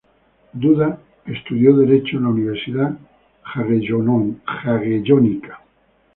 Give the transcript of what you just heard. Duda estudió derecho en la Universidad Jagellónica.